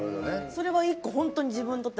それは１個。